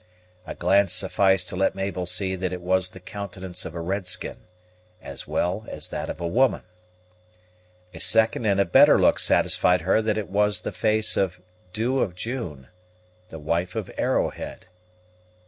A glance sufficed to let Mabel see that it was the countenance of a red skin, as well as that of a woman. A second and a better look satisfied her that it was the face of the Dew of June, the wife of Arrowhead.